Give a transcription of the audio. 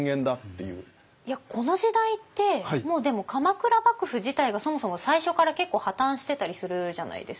いやこの時代ってもうでも鎌倉幕府自体がそもそも最初から結構破綻してたりするじゃないですかずるずると。